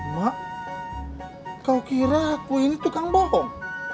mak kau kira aku ini tukang bohong